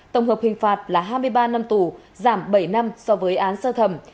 tổng hợp hình phạt là hai mươi ba năm tù giảm bảy năm so với án sơ thẩm